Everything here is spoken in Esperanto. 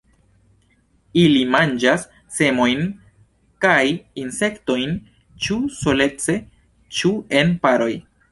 Ili manĝas semojn kaj insektojn ĉu solece ĉu en paroj.